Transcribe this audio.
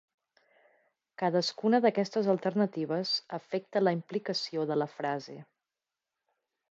Cadascuna d'aquestes alternatives afecta la implicació de la frase.